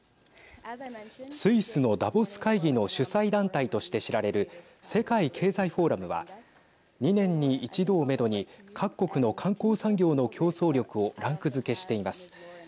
スイスのダボス会議の主催団体として知られる世界経済フォーラムは２年に１度をめどに各国の観光産業の競争力をランク付けしています。